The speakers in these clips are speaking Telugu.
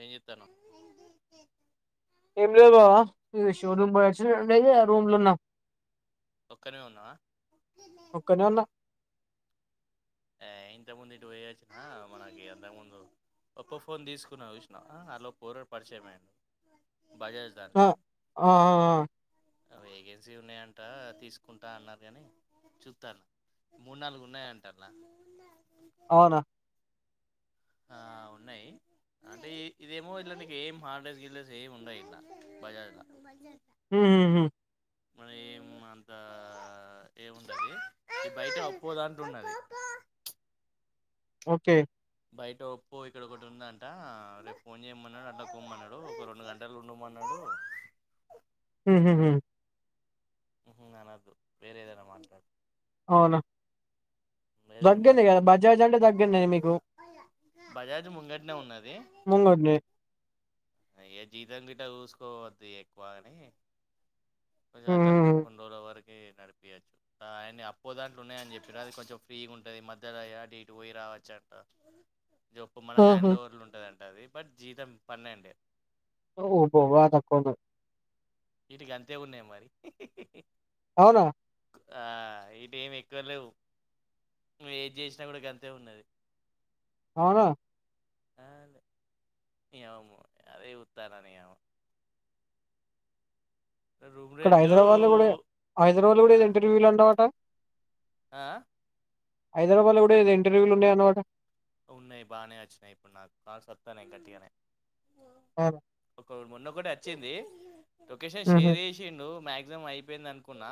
ఏం చేతన్నావ్ ఏం లేద్ బావ ఈ షోరూమ్ పోయోచ్చినా డైదే రూమ్ లో ఉన్నాం ఒక్కనీవే ఉన్నావ ఒక్కనే ఉన్నా ఏ ఇంత ముందు ఇటు పోయొచ్చిన మనకి అంతకు ముందు ఒప్పో ఫోన్ తీసుకున్న చూసిన వ అలో పోరాడు పరిచయం అయ్యిండు ఆ ఆ ఆ వేకెన్సీ ఉన్నాయంట తీసుకుంటా అన్నారు కాని చూతాను మూడు నాలుగు ఉన్నాయంట ల అవునా ఆ ఉన్నాయి అంటే ఇ ఇదేమో ఇట్ల ఏం హార్డేస్ గిల్డెస్ ఏమి ఉండయి ఇట్లా బాజజ్ల హ మన ఏం అంత ఏముండది బయట అప్పో దాంట్లున్నది ఓకే బయట ఒప్పో ఇక్కడ ఒకటి ఉందంట రేపు ఫోన్ చేయమన్నాడు అడ్లా పోమ్మన్నాడు ఒక రెండు గంటలు ఉండమన్నాడు హు హు హుహు అనదు వేరే ఏదనా మాట్లాడు అవునా ఏదోటి దగ్గరనే కదా మాట్లాడతాం బజాజ్ అంటే దగ్గరనే మీకు బజాజ్ ముంగట్నే ఉన్నది ముంగట్నే అయ జీతం గు ఇంట కూూసుకోవద్ది ఇగ ఎక్కువగాని హ్మ్ కొంచట్లా హ్మ్ హ్మ్ కొన్నిరొలవరకి ఏ నడిపియ ఆయన అప్పో దాంట్లో ఉన్నాయని చెప్పిన అది కొంచెం ఫ్రీగా ఉంటది మధ్యలో ఏడ అటు ఇటు పోయి రావచ్చ అంట జప్పు మన ఆహా హ్యాండ్ఓవర్ల ఉంటుదంట అది బట్ జీతం పన్నేండే ఓ ఓ బా తక్కువుంది వీటికి అంతే ఉన్నాయి మరి అవునా ఆ ఇటు ఏమి ఎక్కువ లేవు నువు ఏం చేసినా కూడా గంతే ఉన్నది అవునా ఆ అవును అదే సుత్తానియా ఇక్కడ హైదరాబాద్ లో కూడా హైదరాబాద్ లో ఆ కూడా ఏ ఇంటర్వ్యూలు అన్నవట ఆ హైదరాబాద్ లో కూడా ఎదో ఇంటర్వ్యూలు ఉన్నాయి అన్నవట ఉన్నయి బానేే అచ్చినయ్ ఇప్పుడు నాకు కాల్స్ సొత్తనయ్ గట్టిగనే అవునా ఒక మొన్న కూడా వచ్చింది లొకేషన్ హ్మ్ షేర్ చేసిండు మ ఎగ్జామ్ అయిపోయింది అనుకున్నా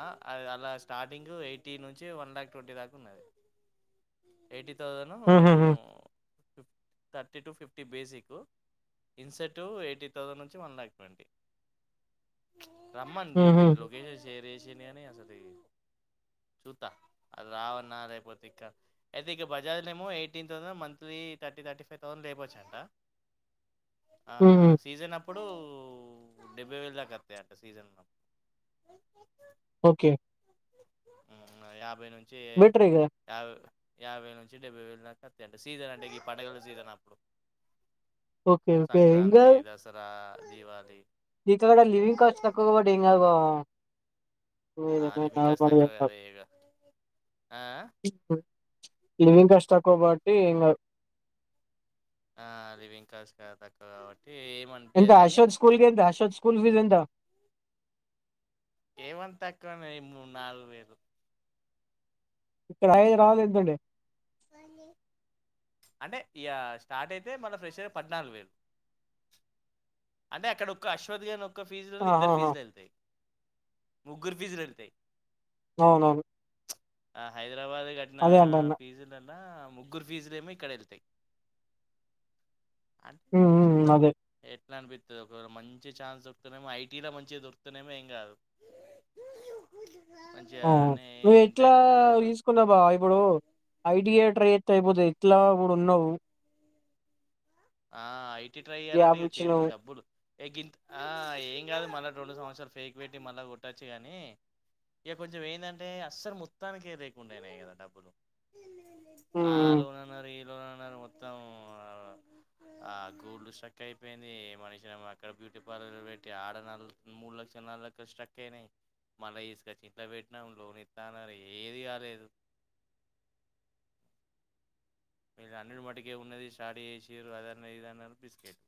అల్ల స్టార్టింగ్ ఎయిటీ నుంచి వన్ లాక్ ట్వంటీ దాకా ఉన్నది ఎయిటీ థౌజండ్ హహ ఫిఫ్ థర్టీ టు ఫిఫ్టీ బేసిక్ ఇన్సెట్ ఎయిటీ థౌసండ్ నుంచి వన్ ల్యాక్ ట్వంటీ రమ్మన్ హ్మ్ హ్మ్ జెప్పిన్రు లొకేషన్ షేర్ వేసిండు గానీ అసలీ చూత్తా అది రావన్నా లేకపోతే ఇక అయితే ఇక బజాజ్ ల ఏమో eighteen, monthly thirty thirty five thousand లేపోచ్చంట ఆ హ్మ్ హ్మ్ సీజన్ అప్పు అప్పుడూ డెబ్బై వేలు దాకా వస్తాయి అంట సీజన్లో ఓకే యాభై నుండి నుంచి బెటరే కదా యాభై యాబైవేల నుంచి డెబ్బైే వేలు దాక టండి సీజన్ అంటే ఈ పండుగల సీజన్ అప్పుడు ఓకే ఓకే సంక్రాంతి దసరా దివాళీ ఇకడకడా లివింగ్ కాస్ట్ తక్కువ పడి ఏం కాదు బావ ఆ లివింగ్ కాస్ట్ తక్కువ కదా ఇగ ఆ [unintelligible] లివింగ్ కష్టం. కాబట్టి ఇంగ ఆ లివింగ్ కాస్ గా తక్కువ కాబ ఎంత అర్షోద్ స్కూల్ కె ఎంత అషోద్ స్కూల్ ఫీజు ఎం త ఏమంత తక్కువనే మూడు నాలుగు వేలు ఇక్కడయేగా [unintelligible] ఎంతండి అంటే ఇగ స్టార్ట్ అయితే మన ఫ్రెష్ పద్నాలుగు వేలు అంటే అక్కడ ఒక్క అశ్వథ్ గని. ఫీజులలో ఇద్దరు ఆహాహా ఫీజులు వెళ్తాయి ముగ్గురు ఫీజులు వెళ్తాయి అవునవును ఆ హైదరాబాద్ నా అదే అంటన్న ఫీజులన్ నా ముగ్గురు ఫీజలేమో ఇక్కడెళ్తయి ఉమ్ ఉమ్ చూద్దా అదే ఏ ట్లా అనిపిత్తది ఒకవేళ మంచి ఛాన్స్ దొరుకుతేనేమో ఐ టీ లో మంచిగా దొరుకుతెనేమో ఏం కాదు ఆ నువ్వు ఎట్లా తీసుకున్నావు బావా ఇప్పుడు ఐ టీ యే ట్రై ఎతే అయిపోత్తై ఇట్లా ఇప్పుడు ఉన్నావు ఆ ఐ టి ట్రై చెయ్యాలంటే గ్యాప్ ఇగ చేతిలో ఇచ్చినవు డబ్బులు ఏ గింత్ ఆ ఏం కాదు మళ్ళా రొండు సంవత్సరాలు ఫేక్ పెట్టి మళ్ళా కొట్టొచ్చు కానీ ఇక కొంచెం ఏందంటే అస్సలు మొత్తానినికి లేకుండయినాయి కదా డబ్బులు ఉమ్ ఆలూనన్నారు ఏ ఇత్తదన్నారు మొత్తం ఆ ఆ గోల్డ్ స్ట్రక్ అయిపోయింది, మనిషిన అక్కడ బ్యూటీ పార్లర్ పెట్టి ఆడ నగు మూడు లక్షలు నాలుగు లక్షలు స్ట్రక్ అయినాయి, మళ్ళీ తీసుకొచ్చి ఇంట్లా పెట్టినాము లోన్ ఇస్తా అన్నారు ఏది కాలేదు. వీళ్ళ అన్నిటి మటుకే ఉన్నది స్టార్ట్ చేసిరు అదన్న ఇదన్నారు బిస్కెట్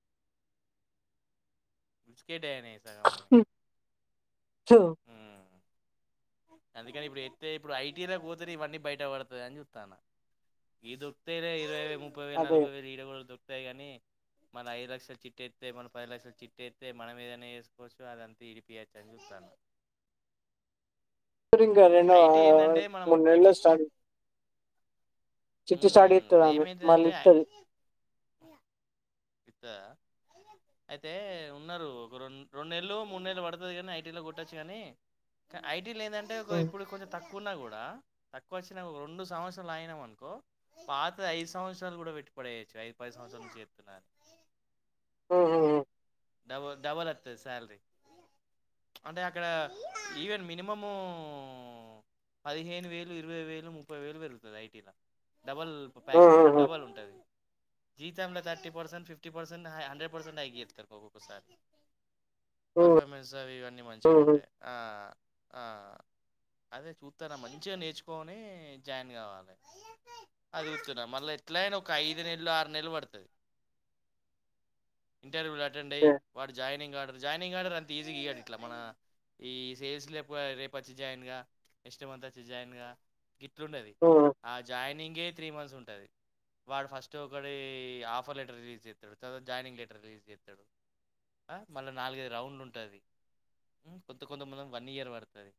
బిస్కెట్నే చూ అందుకని ఇప్పుడు ఏత్తే ఇప్పుడు ఐ టీ అనే ‌పోతరు ఇవన్నీ బయట పడుతాయి అని చూత్తాన్నా ఏదో తేనే ఇరవై ముప్పై వేలు అదే నలభై వేలు ఈడ గూడ దొ తాయి కానీ మన ఐదు లక్షల చిట్ ఏత్తే మన పది లక్షల చిట్ ఏతైతే మనం ఏదైనా చేసుకోవచ్చు అదంతా ఇడిపియచ్చ్చు అని చెప్తానా సరకారు ఎన్న మనం మూడు నెలల్లో స్టాలు చిట్టీ స్టార్ట్ ఉమ్, చేత్తదామె మళ్ళీ ఏమైతుందంటే ఇత్తది అయితే ఉన్నారు ఒక రండు రెండు నెలలు మూడు నెలలు పడుతది కానీ ఐటీలో కొట్టొచ్చు కానీ ఐ ఇ లేదంటే ఒక ఉమ్ ఇప్పుడు కొంచం తక్కు తక్కున్నా కూడా తక్కువ వచ్చినాక ఒక రెండు సంవత్సరాలు అయినా అను కు పాత ఐదు సంవత్సరాలు కూడా పెట్టు పడేయొచ్చు ఐదు పది సంవత్సరాలు చెప్తున్నా మ్ మ్ డబల్ డబల్ వస్తుంది శాలరీ, అంటే అక్కడ ఈవెన్ మినిమము పదిహేను వేలు ఇరవై వేలు ముప్పై వేలు పెరుగతాది ఐటీలో డబల్ ప్యాకెట్ ఉహు ఉహు డబల్ ఉంటది జీతమలో thirty percent fifty percent hundred percent hike చెప్తారు ఒక ఒకసారి ఉహు పర్ఫార్మెన్స్ అవి ఇవన్నీ మంచిగా ఉహు ఉంటాయి ఆ అ అదే చూస్తాను మంచిగా నేర్చుకొని జాయిన్ కావాలి అది కూతున్నా మళ్ళీ ఎట్లా అయినా ఒక ఐదు నెలలు ఆరు నెలలు పడుతది, ఇంటర్వ్యూలు అటెండ్ అయ్యి వాడు జాయినింగ్ ఆర్డర్, జాయినింగ్ ఆర్డర్ అంత ఈజీ ఇడు ఇట్లా మన ఈ సేల్స్ేపు రేపు వచ్చి జాయిన్ గా నెక్స్ట్ మంత్ వచ్చి జాయిన్ గా గిట్లుండేది ఉహు ఆ జాయినింగే త్రీ మంత్స్ ఉంటది, వాడు ఫస్ట్ ఒకటి ఆఫర్ లెటర్ రిలీజ్ చేస్తాడు, చదవాత జాయినింగ్ లెటర్ రిలీజ్ చేస్తాడు, అ మళ్ళీ నాలుగైదు రౌండ్ ఉంటుంది మ్ కొంత కొంతమంది వన్ ఇయర్ పడుతది,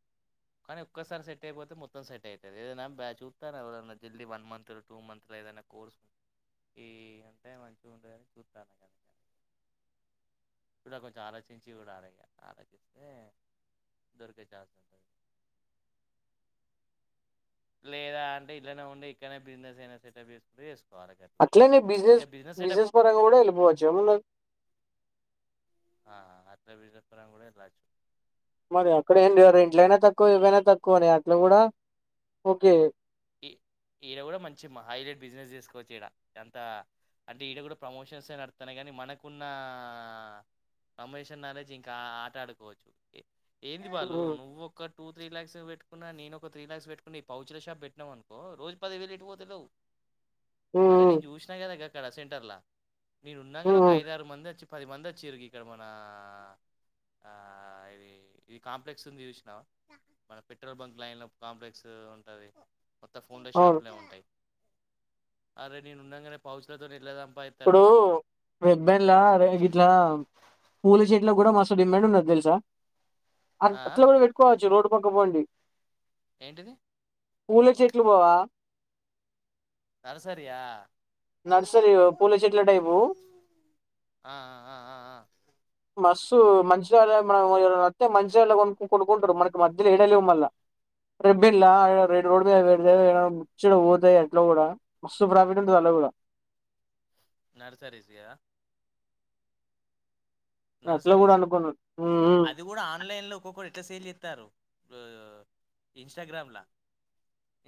కానీ ఒక్కసారి సెట్ అయిపోతే మొత్తం సెట్ అవుతుంది ఏదనా బ చూతాను ఎవరనా జల్ది వన్ మంత్లో టూ మంత్లో ఏదైనా కోర్సు, ఈ అంటే మంచిగా ఉండేని చూట్టాను కద, ఇ కొంచెం ఆలోచించి కూడా అ ఆలోచిస్తే దొరికేచ్చసి ఉంటుంది. లేదా అంటే ఇట్లానే ఉండే ఇక్కడనే బిజినెస్ అయినా సెటప్ చేసుకుంటే చే అట్లనే బిజినెస్ బిజినెస్ పరంగా కూడా వెళ్ళిపోవచ్చు ఏమనా ఆ అట్ట విజయపురం కూడా రావచ్చు మరి అక్కడ ఏంటి మరి ఇట్లైనా తక్కువ ఇవైనా తక్కువ అని అట్లా గుడా ఓకే ఇ ఈడ గుడా మంచి హైలైట్ బిజినెస్ చేసుకోవచ్చు ఈడ ఎంత అంటే ఈడ గూడ ప్రమోషన్స్ నడుతున్నాయి కానీ మనకున్నా అంమేషన్ నాలెడ్జ్ ఇంకా ఆట ఆడుకోవచ్చు ఏంది బాలు హ్మ్ నువ్వొక టూ త్రీ లాక్స్ పెట్టుకున్నా నేను ఒక త్రీ లాక్స్ పెట్టుకు ఈ పౌచ్ ల షాప్ పెట్ అనుకో రోజు పది వేలు ఎటుపోతదో అరే హ్మ్ నేన్ జూశ్న గదా గం నెట్ సెంటర్ లా నేను ఉన్నగానే ఒక హ్మ్ ఐదారు మంది వచ్చి పది మంది వచ్చిరు ఇక్కడ మనా ఆ ఇది ఇది కాంప్లెక్స్ ఉంది చూసినావా మన పెట్రోల్ బంక్ లైన్లో కాంప్లెక్స్ ఉంటది మొత్తం ఫోన్ల అవును షాపులే ఉంటాయ్ అరే నేను ఉన్నంగానే పౌచ్లతోనే ఎట్ల సం ఇప్పుడు వెబెన్లా గిట్లా పూల చెట్ల గూడా మస్త్ డిమాండ్ ఉన్నది తెలుసా అ ఆ అట్ల గూడా పెట్టుకోవచ్చు రోడ్డు పక్క బండి ఏంటిది పూల చెట్లు బావా సరసర్ నర్సరీ పూల చెట్ల టైపు ఆ ఆ ఆ ఆ ఆ. మస్ మస్త్ మంచి [unintelligible] మంచిజ ఎలో గమ్ కొనుకుంటారు మనకి మధ్యలో లేడ లేవు మళ్ళీ రేపు బి ర రోడ్ మీద పెడ ముచ్చ పోతాయి అట్లా కూడా మస్తు ప్రాఫిట్ ఉంటుంది అలా కూడా నర్సరీస్గా అట్లా కూడా నర్సరీస్ అనుకున్నా హ్మ్ హ్మ్ అది కూడా ఆన్లైన్ లో ఒక్కొక్కరు ఎట్టలా సేల్ ఇస్తారు ఇంస్టాగ్రామ్లా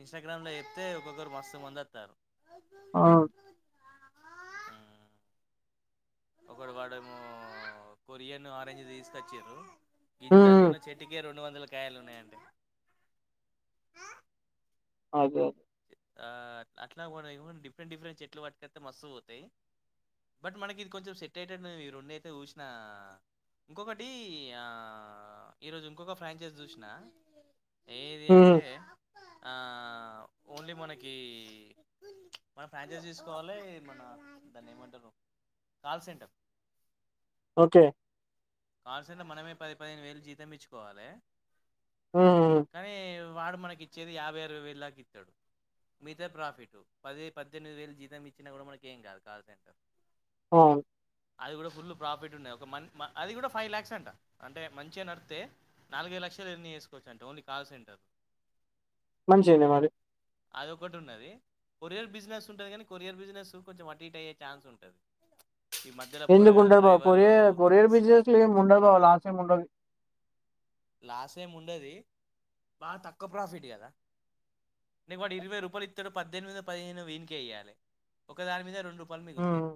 ఇంస్టాగ్రామ్ లో చెప్తే ఒక్కొక్కరు మస్తు మందస్తారు ఆ ఒకడు వాడేమో కొరియన్ ఆరెంజ్ తీసుకొచ్చారు హ్మ్ హ్మ్. ఇంతంతన్న చెట్కే రెండు వందల కాయలున్నా అద అట్లా డిఫరెంట్ డిఫరెంట్ చెట్లు పటుకతే మస్తు పోతాయి బట్ మనకి ఇది కొంచెం సెట్ అయిటట్టు ఈ రెండు అయితే చూసినా ఇంకొకటి ఈరోజు ఇంకొక ఫ్రాంచైజ్ చూసిన ఏది హ్మ్ హ్మ్. అంటే ఆ ఓన్లీ మనకి మనం ఫ్రాంచైజీ తీసుకోవాలి మన దాన్ని ఏమంటారు కాల్ సెంటర్ ఓకే కాల్సంట మనమే పది పదిహేను వేలు జీతం ఇచ్చుకోవాలి హ్మ్ హ్మ్. కావి వాడు మనకి ఇచ్చేది యాభై అరవై వేలు లాకి ఇస్తాడు మిగతా ప్రాఫిట్ పది పద్దెనిమిది వేలు జీతం ఇచ్చినా కూడా మనకి ఏం కాదు కాల్ సెంటర్ అవును అది కూడా ఫుల్ ప్రాఫిట్ ఉన్నాయి ఒక మ అది కూడా ఫైవ్ ల్యాక్స్ అంట అంటే మంచిగా అని అడితే నాలుగైదు లక్షలు ఎర్నీ చేసుకోవచ్చు అంట ఓన్లీ కాల్స్రంటర్ మంచి అయినా మరి అది ఒకటి ఉన్నది కొరియర్ బిజినెస్ ఉంటది కానీ కొరియర్ బిజినెస్ కొంచెం అటీట్ అయ్యే ఛాన్స్ ఉంటుది ఈ మధ్యలో పూరగానే డ్రైవర్లు బిజినెస్ ముండవ లాస్ ముండది లాస్ ఏమి ఉండది బాగా తక్కువ ప్రాఫిట్ కదా ఇం వాటి ఇరవై రూపాయలు ఇత్తడు పద్దెనిమిది మీద పదిహేను వీనిక వెయ్యాలి ఒక దాని మీద రెండు పల్మిగుత హ్మ్.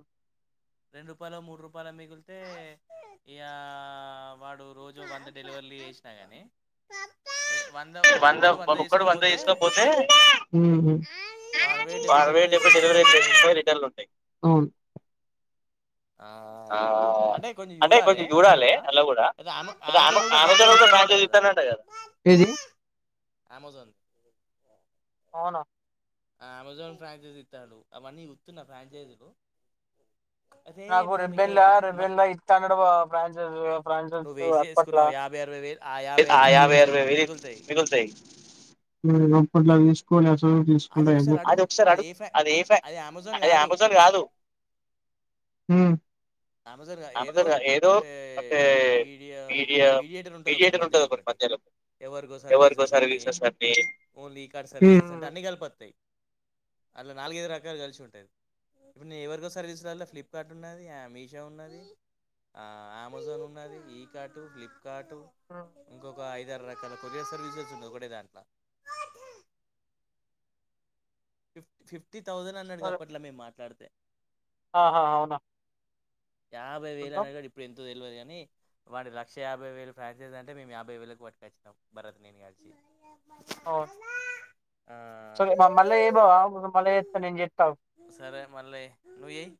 రెండు రూపాయలు మూడు రూపాయల మిగిలితే ఇయా వాడు రోజు వంద డెలివరలీ కినగాని వంద ఒక్కడు వంద తీసుకోపోతేరవైడైపు అరవై డెబ్బై అవుతాయి డెలివరీ ముప్పై ఉంటాయి రిటర్న్లు ఉంటాయివును ఆ అంటే కొంచెం చూడాలి అలా అయితే అమె కూడామె అమెజాన్ కూడా ఆమె ఫ్రాంచైజ్ ఇస్తానంట సాస్తానంట కదా ఏది అమజన్ అవునా ఆ అమెజాన్ ఫ్రాంచైజ్ ఇస్తాడు అవన్నీ గుర్స్తున్న ఫ్రాంచైజ్లు నాకు రెబెన్లా రెబెన్ ఇస్త అన్నడ ఫైజ ఫజ నువ్వు వేస్ట్ అప్పట్లా చేసుకున్నావు యాభై అరవై వేలు ఆ వేలు యాభై అరవై మిగులుతాయి మితాయి అట్లా కూలెస్ మ్మ్ అది హుం ఒకసారి అడుగు ఇంగ అది ఏ ఫ్యా ఏంది అది అమెజాన్ కాదు హ్మ్ అమెజాన్గా ఏదో అంటే మీడియం మీడియా మీడియేటర్ ఉంటుంది ఒకటి మధ్యలో ఒకటి ఎవరికో ఎవరికో సర్వీసెస్ అని అన్ని ఓన్లీ ఈ కార్ట్ సర్వీసెస్ అంటే ఉమ్ అన్నీ కలిపస్తాయి అట్లా నాలుగైదు రకాలు కలిసి ఉంటుంది ఇప్పుడు నేను ఎవరికోసారి తీసుినలో ఫ్లిప్కార్ట్ ఉన్నది మీచ విషా ఉన్నది అమెజాన్ ఉన్నది ఈ కార్ట్ ఫ్లిప్ కాట్టు ఉమ్ ఇంకొక ఐ ఇదే రకరకాల కొరియర్ సర్వీసెస్ ఉంది ఒకటే దాంట్ల ఫిఫ్టీన్ టీ థౌజండ్ అన్నాడు గోపాల్ అప్పట్లా మేము మాట్లాడితే ఆహా అవునా యాభైే చూద్దాం వేలన్నాడుగ ఇప్పుడు ఎంతొ తెలివదిగా నీ వాడి లక్ష యాభై వేలు ఫ్రాసైజ్ అంటే మేము యాభై వేలకు పట్టుకచ్చినాం భరత్ నేను కల్సి అవున్ సరే మ మళ్ళీ ఎమో నువు ఆగు ఇగ మళ్ళీ ఎత్తను నేను చేత్త ఆగు సరే మళ్ళీ నువ్వు చెయ్